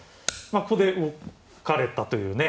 まあここで突かれたというね。